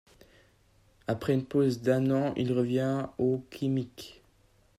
Après une pause d'un an, il revient au Khimik.